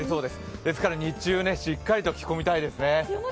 ですから日中、しっかりと着込みたいですね。